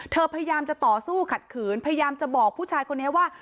พยายามจะต่อสู้ขัดขืนพยายามจะบอกผู้ชายคนนี้ว่า